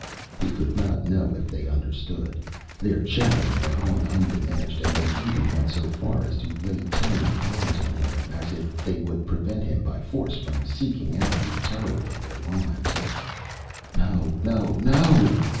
He could not know if they understood. Their chattering went on undiminished, and they even went so far as to lay tiny hands on him, as if they would prevent him by force from seeking out the terror of their lives. "No, no, no!"